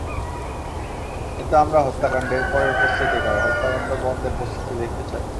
কিন্তু আমরা হত্যাকাণ্ডের পরের প্রস্তুতি নয়, হত্যাকাণ্ড বন্ধের প্রস্তুতি দেখতে চাই।